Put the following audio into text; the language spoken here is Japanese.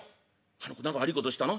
「あの子何か悪いことしたの？」。